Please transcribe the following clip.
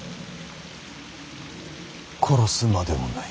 殺すまでもない。